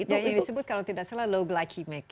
yang disebut kalau tidak salah low glycemic